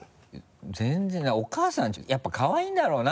全然お母さんちょっとやっぱりかわいいんだろうな。